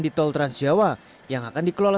di tol transjawa yang akan dikelola